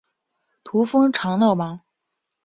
徙封长乐王。